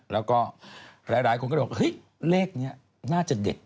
แล้วก็หลายคนก็เลยบอกเฮ้ยเลขนี้น่าจะเด็ด